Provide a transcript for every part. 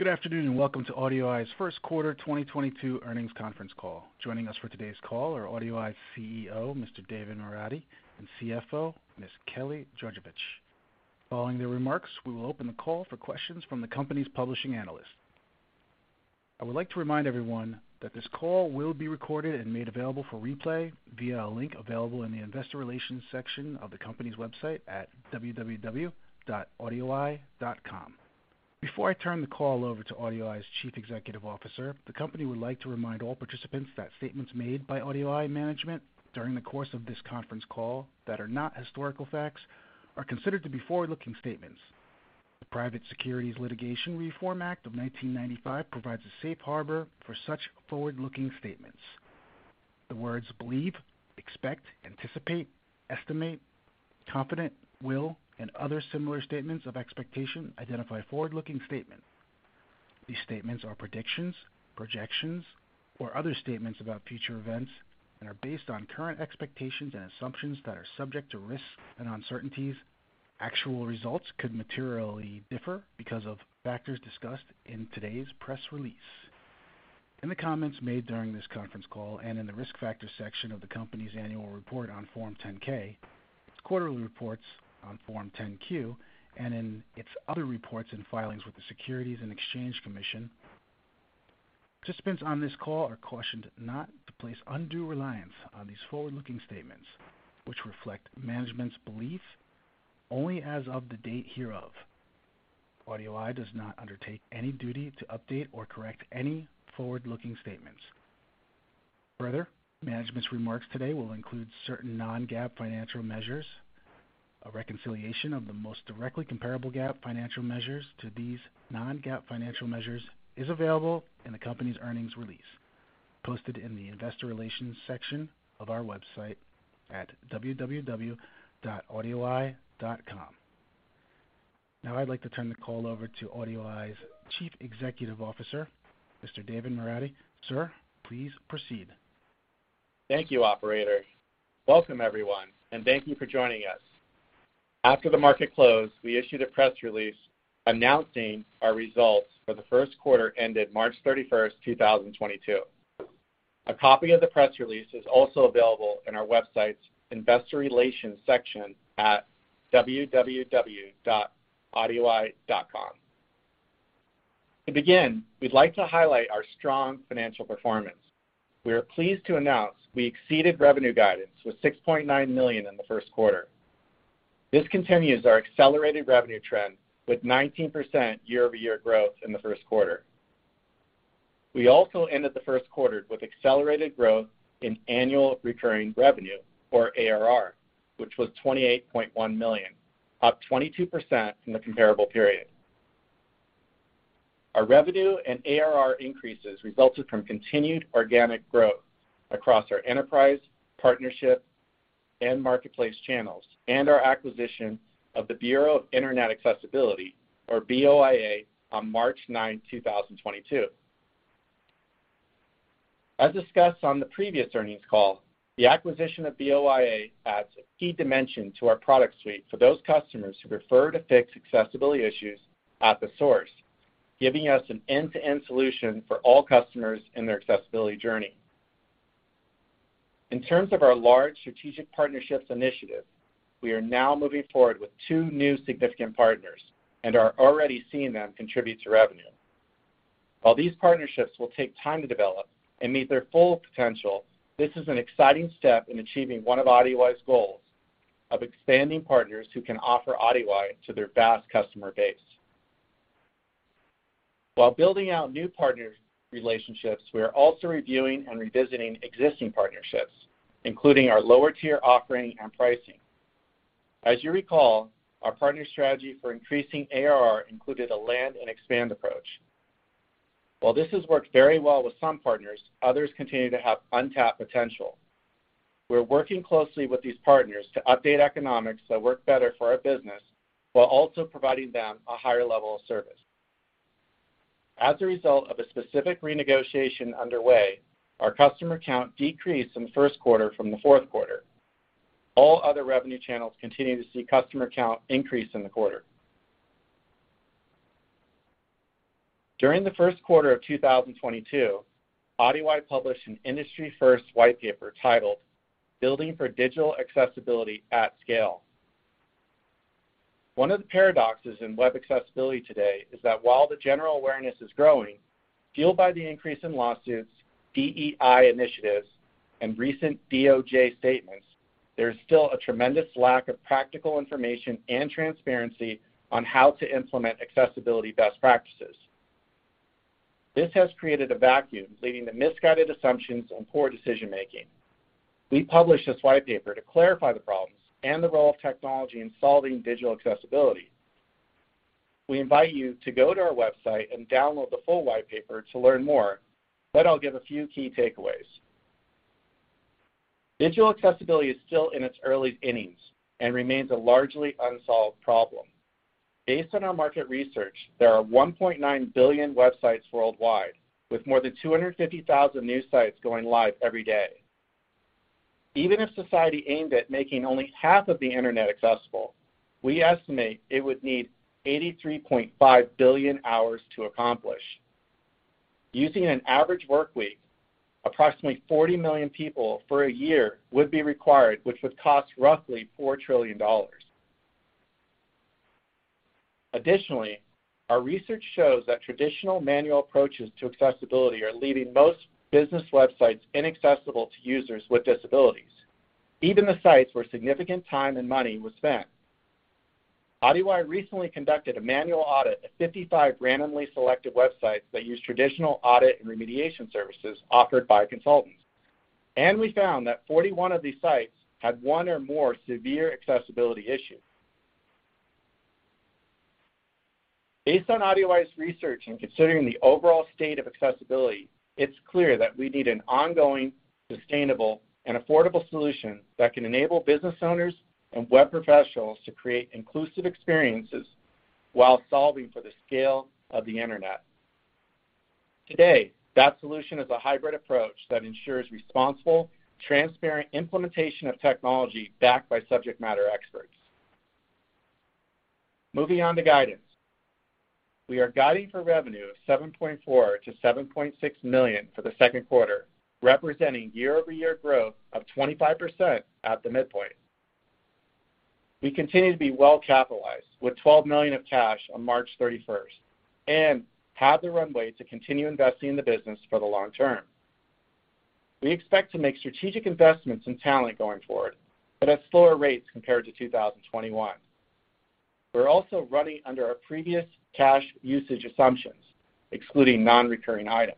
Good afternoon, and welcome to AudioEye's first quarter 2022 earnings conference call. Joining us for today's call are AudioEye's CEO, Mr. David Moradi, and CFO, Ms. Kelly Georgevich. Following their remarks, we will open the call for questions from the company's participating analysts. I would like to remind everyone that this call will be recorded and made available for replay via a link available in the investor relations section of the company's website at www.audioeye.com. Before I turn the call over to AudioEye's Chief Executive Officer, the company would like to remind all participants that statements made by AudioEye management during the course of this conference call that are not historical facts are considered to be forward-looking statements. The Private Securities Litigation Reform Act of 1995 provides a safe harbor for such forward-looking statements. The words believe, expect, anticipate, estimate, confident, will, and other similar statements of expectation identify forward-looking statements. These statements are predictions, projections, or other statements about future events and are based on current expectations and assumptions that are subject to risks and uncertainties. Actual results could materially differ because of factors discussed in today's press release, in the comments made during this conference call and in the Risk Factors section of the company's annual report on Form 10-K, its quarterly reports on Form 10-Q, and in its other reports and filings with the Securities and Exchange Commission. Participants on this call are cautioned not to place undue reliance on these forward-looking statements, which reflect management's belief only as of the date hereof. AudioEye does not undertake any duty to update or correct any forward-looking statements. Further, management's remarks today will include certain non-GAAP financial measures. A reconciliation of the most directly comparable GAAP financial measures to these non-GAAP financial measures is available in the company's earnings release posted in the investor relations section of our website at www.audioeye.com. Now I'd like to turn the call over to AudioEye's Chief Executive Officer, Mr. David Moradi. Sir, please proceed. Thank you, operator. Welcome, everyone, and thank you for joining us. After the market closed, we issued a press release announcing our results for the first quarter ended March 31st, 2022. A copy of the press release is also available in our website's Investor Relations section at www.audioeye.com. To begin, we'd like to highlight our strong financial performance. We are pleased to announce we exceeded revenue guidance with $6.9 million in the first quarter. This continues our accelerated revenue trend with 19% year-over-year growth in the first quarter. We also ended the first quarter with accelerated growth in annual recurring revenue or ARR, which was $28.1 million, up 22% from the comparable period. Our revenue and ARR increases resulted from continued organic growth across our enterprise, partnership, and marketplace channels, and our acquisition of the Bureau of Internet Accessibility or BOIA on March 9, 2022. As discussed on the previous earnings call, the acquisition of BOIA adds a key dimension to our product suite for those customers who prefer to fix accessibility issues at the source, giving us an end-to-end solution for all customers in their accessibility journey. In terms of our large strategic partnerships initiative, we are now moving forward with two new significant partners and are already seeing them contribute to revenue. While these partnerships will take time to develop and meet their full potential, this is an exciting step in achieving one of AudioEye's goals of expanding partners who can offer AudioEye to their vast customer base. While building out new partner relationships, we are also reviewing and revisiting existing partnerships, including our lower-tier offering and pricing. As you recall, our partner strategy for increasing ARR included a land and expand approach. While this has worked very well with some partners, others continue to have untapped potential. We're working closely with these partners to update economics that work better for our business while also providing them a higher level of service. As a result of a specific renegotiation underway, our customer count decreased in the first quarter from the fourth quarter. All other revenue channels continue to see customer count increase in the quarter. During the first quarter of 2022, AudioEye published an industry-first white paper titled Building for Digital Accessibility at Scale. One of the paradoxes in web accessibility today is that while the general awareness is growing, fueled by the increase in lawsuits, DEI initiatives, and recent DOJ statements, there is still a tremendous lack of practical information and transparency on how to implement accessibility best practices. This has created a vacuum, leading to misguided assumptions and poor decision-making. We published this white paper to clarify the problems and the role of technology in solving digital accessibility. We invite you to go to our website and download the full white paper to learn more, but I'll give a few key takeaways. Digital accessibility is still in its early innings and remains a largely unsolved problem. Based on our market research, there are 1.9 billion websites worldwide, with more than 250,000 new sites going live every day. Even if society aimed at making only half of the internet accessible, we estimate it would need 83.5 billion hours to accomplish. Using an average work week, approximately 40 million people for a year would be required, which would cost roughly $4 trillion. Additionally, our research shows that traditional manual approaches to accessibility are leaving most business websites inaccessible to users with disabilities, even the sites where significant time and money was spent. AudioEye recently conducted a manual audit of 55 randomly selected websites that use traditional audit and remediation services offered by consultants, and we found that 41 of these sites had one or more severe accessibility issue. Based on AudioEye's research and considering the overall state of accessibility, it's clear that we need an ongoing, sustainable, and affordable solution that can enable business owners and web professionals to create inclusive experiences while solving for the scale of the internet. Today, that solution is a hybrid approach that ensures responsible, transparent implementation of technology backed by subject matter experts. Moving on to guidance. We are guiding for revenue of $7.4 million-$7.6 million for the second quarter, representing year-over-year growth of 25% at the midpoint. We continue to be well capitalized with $12 million of cash on March 31st, and have the runway to continue investing in the business for the long term. We expect to make strategic investments in talent going forward, but at slower rates compared to 2021. We're also running under our previous cash usage assumptions, excluding non-recurring items.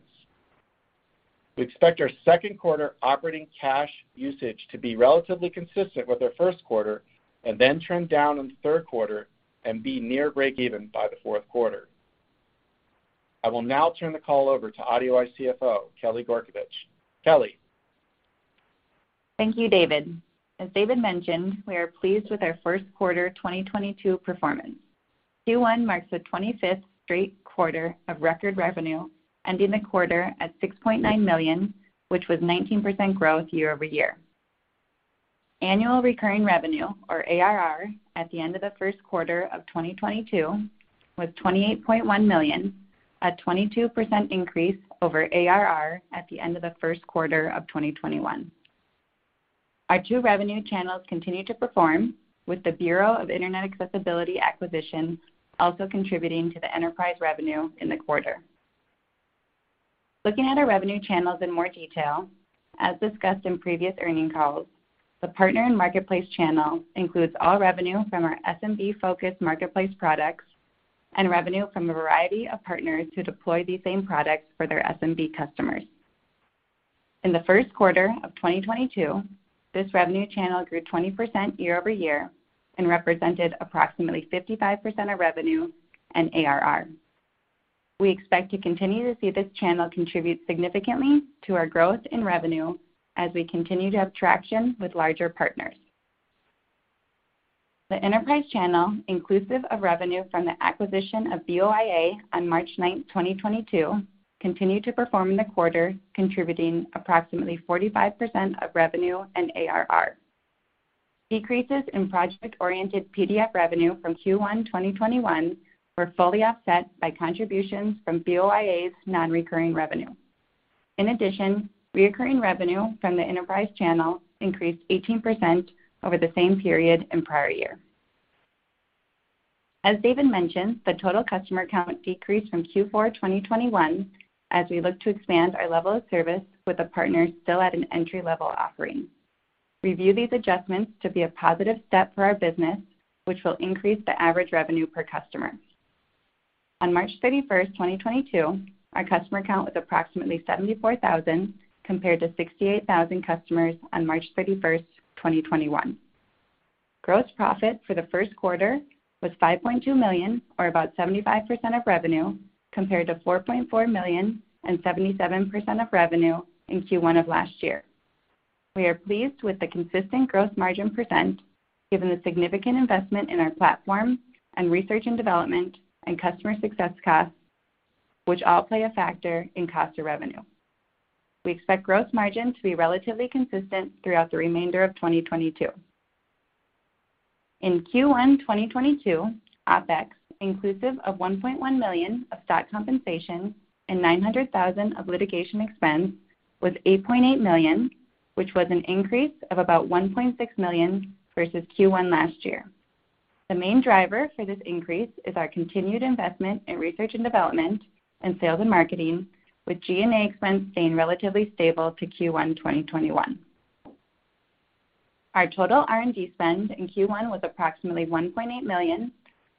We expect our second quarter operating cash usage to be relatively consistent with our first quarter, and then trend down in the third quarter and be near breakeven by the fourth quarter. I will now turn the call over to AudioEye CFO, Kelly Georgevich. Kelly? Thank you, David. As David mentioned, we are pleased with our first quarter 2022 performance. Q1 marks the 25th straight quarter of record revenue, ending the quarter at $6.9 million, which was 19% growth year-over-year. Annual recurring revenue, or ARR, at the end of the first quarter of 2022 was $28.1 million, a 22% increase over ARR at the end of the first quarter of 2021. Our two revenue channels continue to perform with the Bureau of Internet Accessibility acquisition also contributing to the enterprise revenue in the quarter. Looking at our revenue channels in more detail, as discussed in previous earnings calls, the partner and marketplace channel includes all revenue from our SMB-focused marketplace products and revenue from a variety of partners who deploy these same products for their SMB customers. In the first quarter of 2022, this revenue channel grew 20% year-over-year and represented approximately 55% of revenue and ARR. We expect to continue to see this channel contribute significantly to our growth in revenue as we continue to have traction with larger partners. The enterprise channel, inclusive of revenue from the acquisition of BOIA on March 9th, 2022, continued to perform in the quarter, contributing approximately 45% of revenue and ARR. Decreases in project-oriented PDF revenue from Q1 2021 were fully offset by contributions from BOIA's non-recurring revenue. In addition, recurring revenue from the enterprise channel increased 18% over the same period in prior year. As David mentioned, the total customer count decreased from Q4 2021 as we look to expand our level of service with a partner still at an entry-level offering. We view these adjustments to be a positive step for our business, which will increase the average revenue per customer. On March 31st, 2022, our customer count was approximately 74,000 compared to 68,000 customers on March 31st, 2021. Gross profit for the first quarter was $5.2 million or about 75% of revenue, compared to $4.4 million and 77% of revenue in Q1 of last year. We are pleased with the consistent gross margin percent given the significant investment in our platform and research & development and customer success costs, which all play a factor in cost of revenue. We expect gross margin to be relatively consistent throughout the remainder of 2022. In Q1 2022, OpEx, inclusive of $1.1 million of stock compensation and $900,000 of litigation expense, was $8.8 million, which was an increase of about $1.6 million versus Q1 last year. The main driver for this increase is our continued investment in research & development and sales & marketing, with G&A expense staying relatively stable to Q1 2021. Our total R&D spend in Q1 was approximately $1.8 million,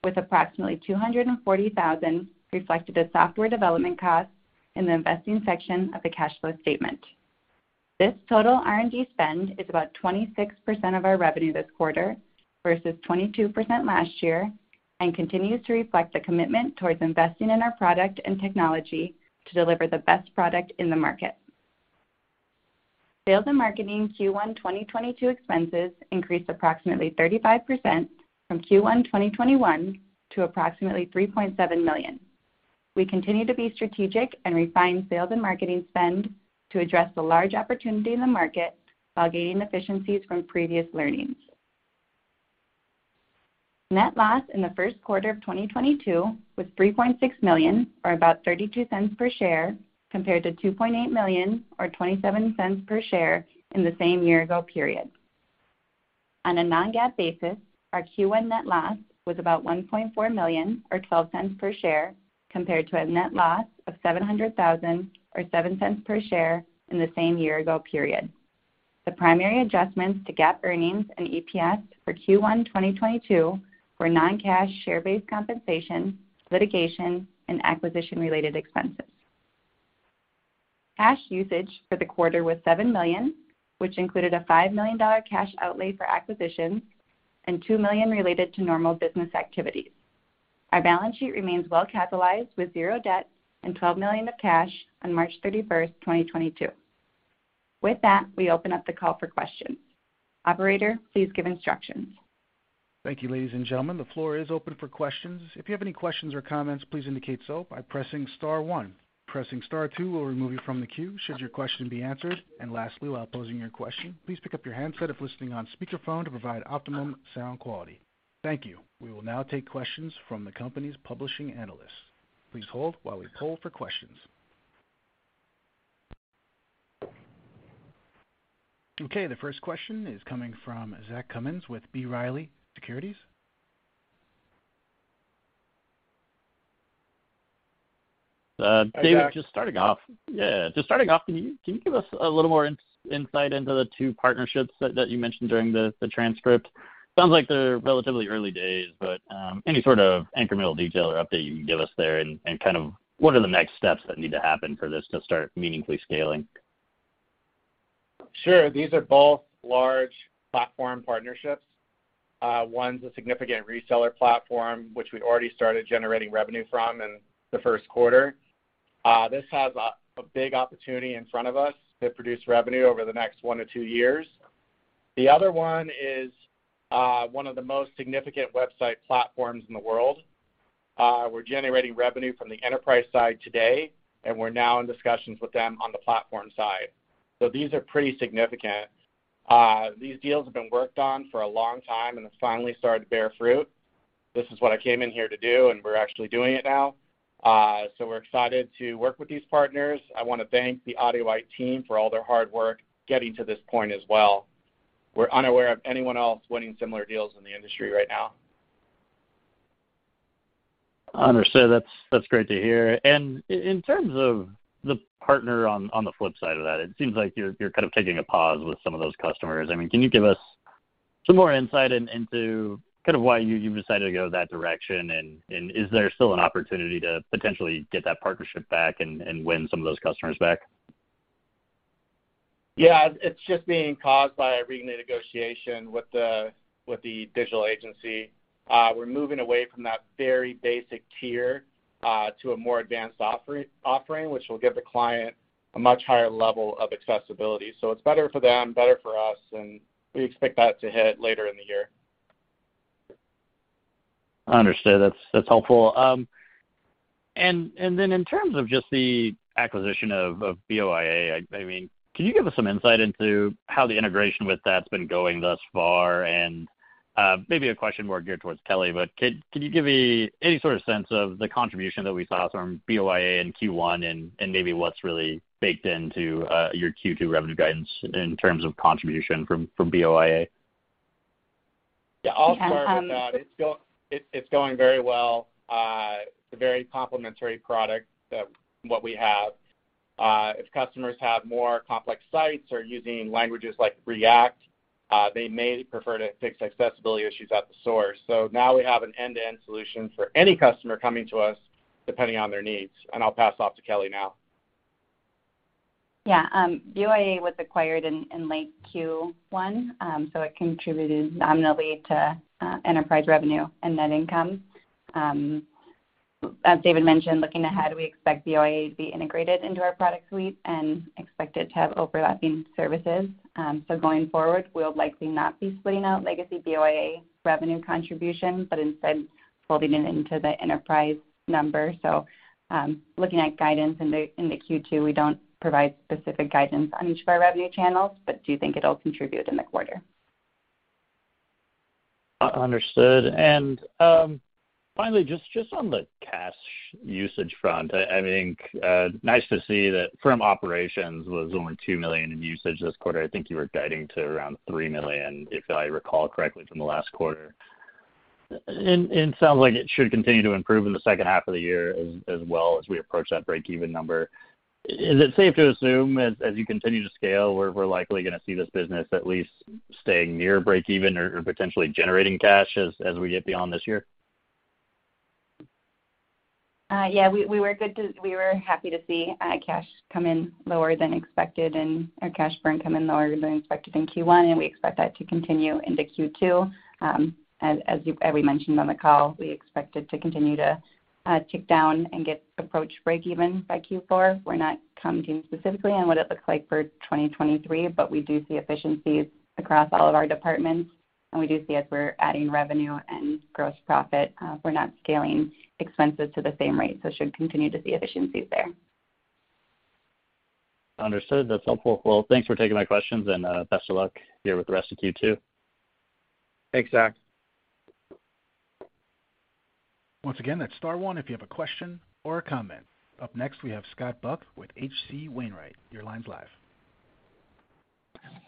with approximately $240,000 reflected as software development costs in the investing section of the cash flow statement. This total R&D spend is about 26% of our revenue this quarter versus 22% last year, and continues to reflect the commitment towards investing in our product and technology to deliver the best product in the market. Sales and marketing Q1 2022 expenses increased approximately 35% from Q1 2021 to approximately $3.7 million. We continue to be strategic and refine sales and marketing spend to address the large opportunity in the market while gaining efficiencies from previous learnings. Net loss in the first quarter of 2022 was $3.6 million, or about $0.32 per share, compared to $2.8 million or $0.27 per share in the same year ago period. On a non-GAAP basis, our Q1 net loss was about $1.4 million or $0.12 per share compared to a net loss of $700,000 or $0.07 per share in the same year ago period. The primary adjustments to GAAP earnings and EPS for Q1 2022 were non-cash share-based compensation, litigation, and acquisition related expenses. Cash usage for the quarter was $7 million, which included a $5 million cash outlay for acquisitions and $2 million related to normal business activities. Our balance sheet remains well capitalized with zero debt and $12 million of cash on March 31st, 2022. With that, we open up the call for questions. Operator, please give instructions. Thank you, ladies and gentlemen. The floor is open for questions. If you have any questions or comments, please indicate so by pressing star one. Pressing star two will remove you from the queue should your question be answered. Lastly, while posing your question, please pick up your handset if listening on speakerphone to provide optimum sound quality. Thank you. We will now take questions from the company's publishing analysts. Please hold while we poll for questions. Okay. The first question is coming from Zach Cummins with B. Riley Securities. David, just starting off, can you give us a little more insight into the two partnerships that you mentioned during the transcript? Sounds like they're relatively early days, but any sort of incremental detail or update you can give us there and kind of what are the next steps that need to happen for this to start meaningfully scaling? Sure. These are both large platform partnerships. One's a significant reseller platform which we'd already started generating revenue from in the first quarter. This has a big opportunity in front of us to produce revenue over the next one to two years. The other one is one of the most significant website platforms in the world. We're generating revenue from the enterprise side today, and we're now in discussions with them on the platform side. These are pretty significant. These deals have been worked on for a long time and have finally started to bear fruit. This is what I came in here to do, and we're actually doing it now. We're excited to work with these partners. I wanna thank the AudioEye team for all their hard work getting to this point as well. We're unaware of anyone else winning similar deals in the industry right now. Understood. That's great to hear. In terms of the partner on the flip side of that, it seems like you're kind of taking a pause with some of those customers. I mean, can you give us some more insight into kind of why you've decided to go that direction, and is there still an opportunity to potentially get that partnership back and win some of those customers back? Yeah. It's just being caused by a renegotiation with the digital agency. We're moving away from that very basic tier to a more advanced offering, which will give the client a much higher level of accessibility. It's better for them, better for us, and we expect that to hit later in the year. Understood. That's helpful. Then in terms of just the acquisition of BOIA, I mean, can you give us some insight into how the integration with that has been going thus far? Maybe a question more geared towards Kelly, but could you give me any sort of sense of the contribution that we saw from BOIA in Q1 and maybe what's really baked into your Q2 revenue guidance in terms of contribution from BOIA? You can. Yeah. I'll start with that. It's going very well. It's a very complementary product to what we have. If customers have more complex sites or using languages like React, they may prefer to fix accessibility issues at the source. Now we have an end-to-end solution for any customer coming to us depending on their needs. I'll pass off to Kelly now. Yeah. BOIA was acquired in late Q1, so it contributed nominally to enterprise revenue and net income. As David mentioned, looking ahead, we expect BOIA to be integrated into our product suite and expect it to have overlapping services. Going forward, we'll likely not be splitting out legacy BOIA revenue contribution, but instead folding it into the enterprise number. Looking at guidance into Q2, we don't provide specific guidance on each of our revenue channels but do think it'll contribute in the quarter. Understood. Finally, just on the cash usage front, I think nice to see that from operations was only $2 million in usage this quarter. I think you were guiding to around $3 million, if I recall correctly from the last quarter. Sounds like it should continue to improve in the second half of the year as well as we approach that break-even number. Is it safe to assume as you continue to scale, we're likely gonna see this business at least staying near break even or potentially generating cash as we get beyond this year? Yeah. We were happy to see cash come in lower than expected and our cash burn come in lower than expected in Q1, and we expect that to continue into Q2. As we mentioned on the call, we expect it to continue to tick down and approach break even by Q4. We're not commenting specifically on what it looks like for 2023, but we do see efficiencies across all of our departments. We do see as we're adding revenue and gross profit, we're not scaling expenses to the same rate, so should continue to see efficiencies there. Understood. That's helpful. Well, thanks for taking my questions and best of luck here with the rest of Q2. Thanks, Zach. Once again, that's star one if you have a question or a comment. Up next, we have Scott Buck with H.C. Wainwright. Your line's live.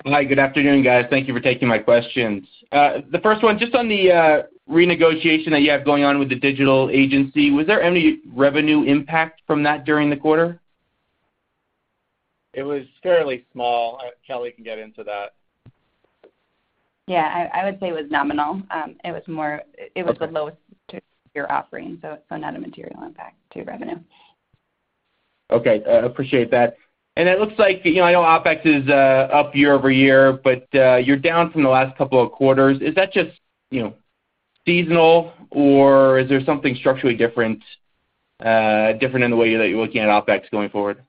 Hi, good afternoon, guys. Thank you for taking my questions. The first one, just on the renegotiation that you have going on with the digital agency, was there any revenue impact from that during the quarter? It was fairly small. Kelly can get into that. Yeah, I would say it was nominal. It was more. Okay. It was the lowest tier offering, so not a material impact to revenue. Okay. Appreciate that. It looks like, you know, I know OpEx is up year over year, but you're down from the last couple of quarters. Is that just, you know, seasonal or is there something structurally different in the way that you're looking at OpEx going forward?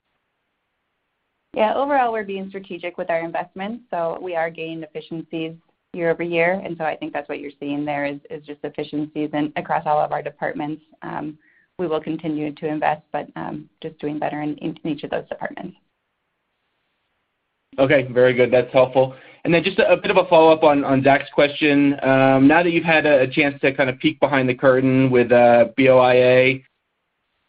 Yeah. Overall, we're being strategic with our investments, so we are gaining efficiencies year over year. I think that's what you're seeing there is just efficiencies and across all of our departments. We will continue to invest, but just doing better in each of those departments. Okay, very good. That's helpful. Then just a bit of a follow-up on Zach's question. Now that you've had a chance to kind of peek behind the curtain with BOIA,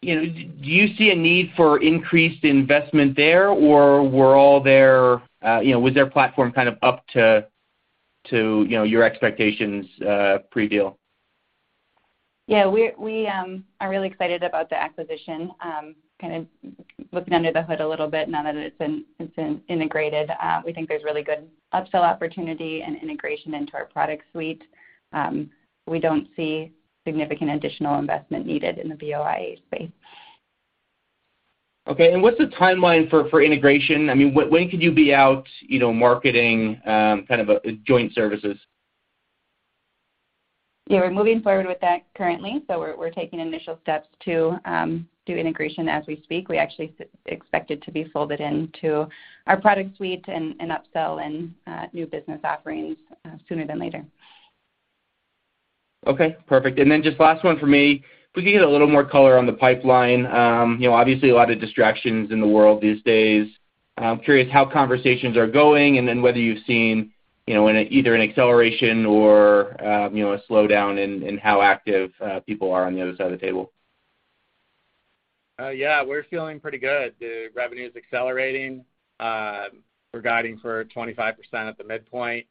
you know, do you see a need for increased investment there, or was their platform kind of up to you know, your expectations pre-deal? Yeah, we are really excited about the acquisition. Kinda looking under the hood a little bit now that it's been integrated. We think there's really good upsell opportunity and integration into our product suite. We don't see significant additional investment needed in the BoIA space. Okay, what's the timeline for integration? I mean, when could you be out, you know, marketing kind of a joint services? Yeah, we're moving forward with that currently, so we're taking initial steps to do integration as we speak. We actually expect it to be folded into our product suite and upsell and new business offerings sooner than later. Okay, perfect. Just last one for me. If we can get a little more color on the pipeline. You know, obviously a lot of distractions in the world these days. I'm curious how conversations are going, and then whether you've seen, you know, either an acceleration or, you know, a slowdown in how active people are on the other side of the table. Yeah, we're feeling pretty good. The revenue is accelerating. We're guiding for 25% at the midpoint.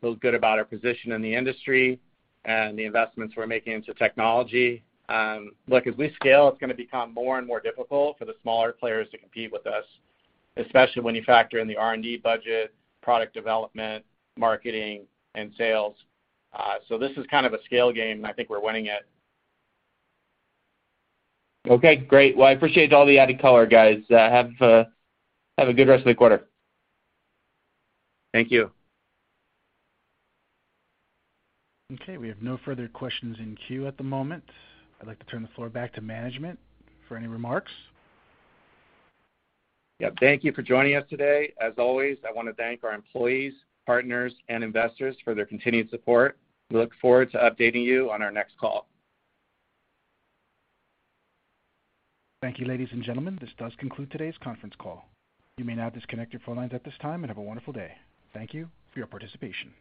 Feel good about our position in the industry and the investments we're making into technology. Look, as we scale, it's gonna become more and more difficult for the smaller players to compete with us, especially when you factor in the R&D budget, product development, marketing, and sales. This is kind of a scale game. I think we're winning it. Okay, great. Well, I appreciate all the added color, guys. Have a good rest of the quarter. Thank you. Okay, we have no further questions in queue at the moment. I'd like to turn the floor back to management for any remarks. Yeah. Thank you for joining us today. As always, I wanna thank our employees, partners, and investors for their continued support. We look forward to updating you on our next call. Thank you, ladies and gentlemen. This does conclude today's conference call. You may now disconnect your phone lines at this time and have a wonderful day. Thank you for your participation.